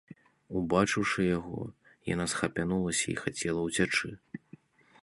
Убачыўшы яго, яна схапянулася і хацела ўцячы.